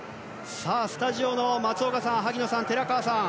スタジオの松岡さん萩野さん、寺川さん